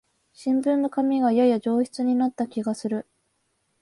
新聞の紙がやや上質になった気がする